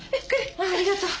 あありがとう。